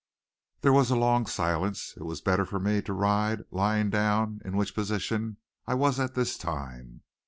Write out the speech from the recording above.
Then there was a long silence. It was better for me to ride lying down, in which position I was at this time.